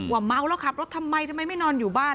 เมาแล้วขับรถทำไมทำไมไม่นอนอยู่บ้าน